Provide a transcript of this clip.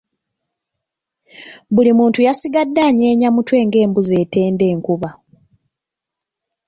Buli muntu yasigadde anyeenya mutwe ng’embuzi etenda enkuba.